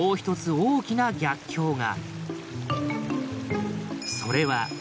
大きな逆境が。